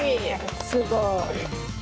すごい。